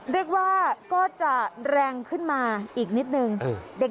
เรียกว่าก็จะแรงขึ้นมาอีกนิดนึง